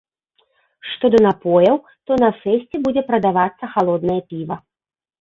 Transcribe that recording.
Што да напояў, то на фэсце будзе прадавацца халоднае піва.